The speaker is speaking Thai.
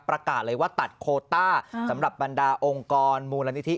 ประกาศเลยว่าตัดโคต้าสำหรับบรรดาองค์กรมูลนิธิ